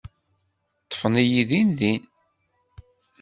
Ṭṭfen-iyi din din.